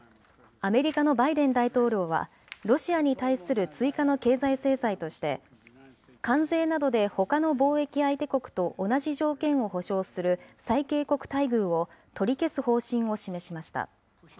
アメリカのバイデン大統領はロシアに対する追加の経済制裁として、関税などでほかの貿易相手国と同じ条件を保障する最恵国待遇を取り消す方針を示しました。